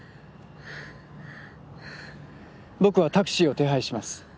僕はタクシーを手配します。